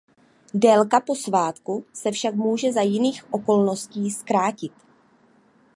Délka "po svátku" se však může za jistých okolností zkrátit.